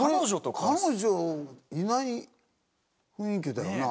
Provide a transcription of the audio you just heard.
彼女いない雰囲気だよな